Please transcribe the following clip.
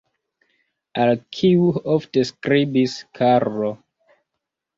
Al kiu ofte skribis Karlo?